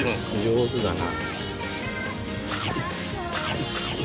上手だな。